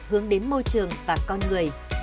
hướng đến môi trường và con người